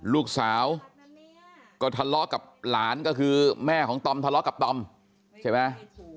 ลูกสาวก็ทะเลาะกับหลานก็คือแม่ของตอมทะเลาะกับตอมใช่ไหม